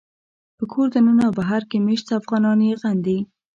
په کور دننه او بهر کې مېشت افغانان یې غندي